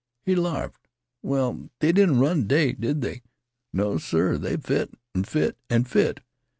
He larfed. Well, they didn't run t' day, did they, hey? No, sir! They fit, an' fit, an' fit."